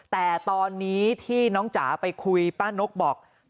แต่ตอนนี้ที่น้องจ๋าไปคุยป้านกบอก